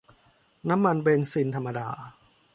น้ำมันเบนซินธรรมดา